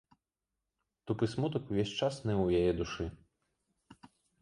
Тупы смутак увесь час ныў у яе душы.